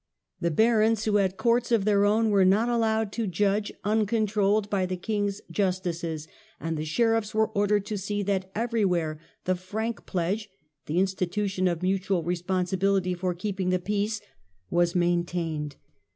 The barons who had courts of their own were not allowed to judge uncontrolled by the king's justices, and the sheriffs were ordered to see that everywhere the " frank pledge " (the institution of mutual responsibility for keeping the peace) was maintained.